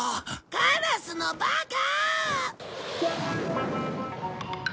カラスのバカ！